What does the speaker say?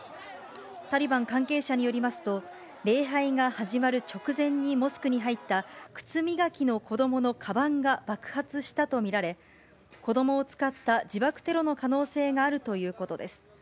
タリバン関係者によりますと、礼拝が始まる直前にモスクに入った靴磨きの子どものかばんが爆発したと見られ、子どもを使った自爆テロの可能性があるということです。